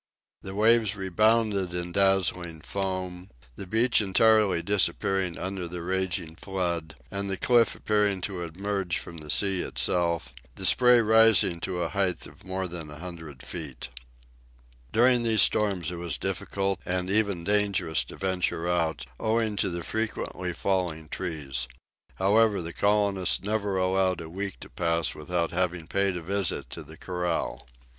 The waves rebounded in dazzling foam, the beach entirely disapppearing under the raging flood, and the cliff appearing to emerge from the sea itself, the spray rising to a height of more than a hundred feet. During these storms it was difficult and even dangerous to venture out, owing to the frequently falling trees; however, the colonists never allowed a week to pass without having paid a visit to the corral.